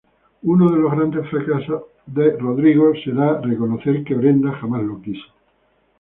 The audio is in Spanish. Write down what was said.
Uno de los grandes fracasos de Rodrigo será reconocer que Brenda jamás lo quiso.